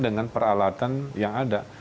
dengan peralatan yang ada